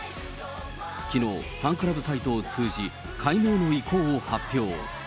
きのう、ファンクラブサイトを通じ、改名の意向を発表。